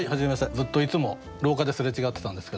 ずっといつも廊下ですれ違ってたんですけど。